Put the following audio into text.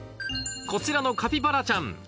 こちらのカピバラちゃん